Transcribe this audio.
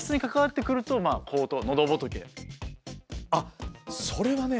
あとあっそれはね